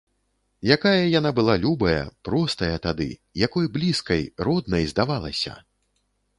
Якая яна была любая, простая тады, якой блізкай, роднай здавалася!